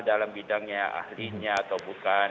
dalam bidangnya ahlinya atau bukan